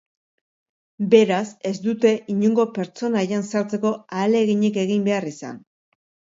Beraz, ez dute inongo pertsonaian sartzeko ahaleginik egin behar izan.